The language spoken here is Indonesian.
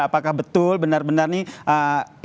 apakah betul benar benar nih